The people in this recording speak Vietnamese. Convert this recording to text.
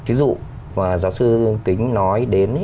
ví dụ giáo sư kính nói đến